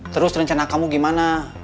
terus rencana kamu gimana